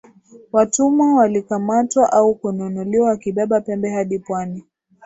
Watumwa walikamatwa au kununuliwa wakibeba pembe hadi pwani